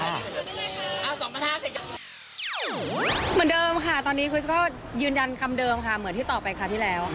เหมือนเดิมค่ะตอนนี้คริสก็ยืนยันคำเดิมค่ะเหมือนที่ตอบไปคราวที่แล้ว